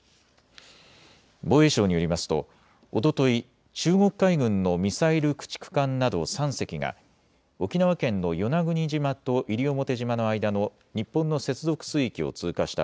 防衛省によりますとおととい中国海軍のミサイル駆逐艦など３隻が沖縄県の与那国島と西表島の間の日本の接続水域を通過した